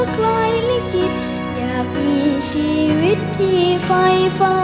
โปรดติดตามตอนต่อไป